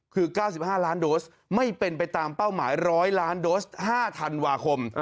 คือ๙๕ล้านโดสไม่เป็นไปตามเป้าหมาย๑๐๐ล้านโดส๕ธันวาคม